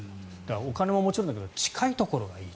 お金ももちろんだけど近いところがいい。